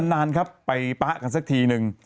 นานครับไปป๊ะกันสักทีนึง